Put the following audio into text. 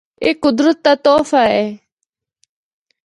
اے قدرت دا تحفہ اے۔